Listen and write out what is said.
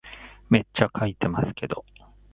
めっちゃ書いてますけど